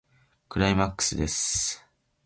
クライマックスです。